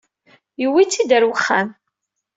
Yewwi-tt-id ar wexxam.